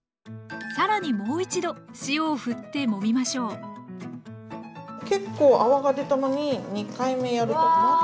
更にもう一度塩をふってもみましょう結構泡が出たのに２回目やるとまた。